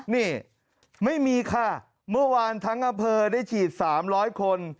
นี่ไม่มีค่ะเมื่อวานทั้งอำเภอได้ฉีด๓๐๐คน